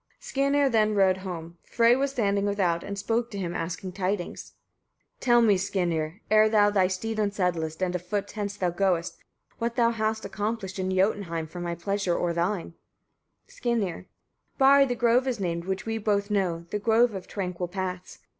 Skimir then rode home. Frey was standing without, and spoke to him, asking tidings: 40. Tell me, Skirnir! ere thou thy steed unsaddlest, and a foot hence thou goest, what thou hast accomplished in Jotunheim, for my pleasure or thine? Skirnir. 41. Barri the grove is named, which we both know, the grove of tranquil paths.